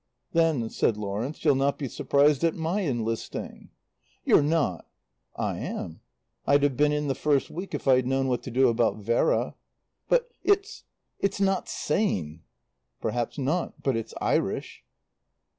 "Then," said Lawrence, "you'll not be surprised at my enlisting." "You're not " "I am. I'd have been in the first week if I'd known what to do about Vera." "But it's it's not sane." "Perhaps not. But it's Irish."